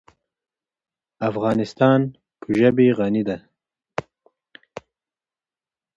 افغانستان په ژبې غني دی.